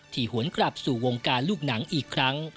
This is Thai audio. หวนกลับสู่วงการลูกหนังอีกครั้ง